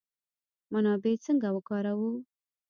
منابع څنګه وکاروو؟